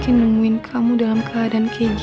aku gak mungkin nemuin kamu dalam keadaan kayak gini andi